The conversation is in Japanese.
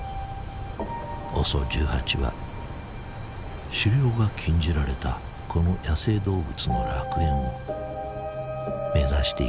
「ＯＳＯ１８は狩猟が禁じられたこの野生動物の楽園を目指していたのではないか」。